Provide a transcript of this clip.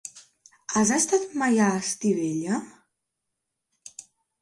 Has estat mai a Estivella?